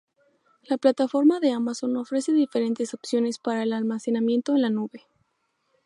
La plataforma de Amazon ofrece diferentes opciones para el almacenamiento en la nube.